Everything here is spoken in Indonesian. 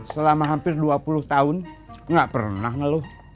selama hampir dua puluh tahun nggak pernah ngeluh